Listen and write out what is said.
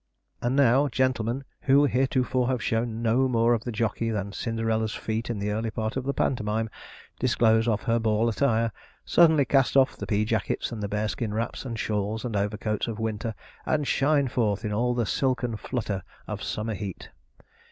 And now gentlemen, who heretofore have shown no more of the jockey than Cinderella's feet in the early part of the pantomime disclose of her ball attire, suddenly cast off the pea jackets and bearskin wraps, and shawls and overcoats of winter, and shine forth in all the silken flutter of summer heat.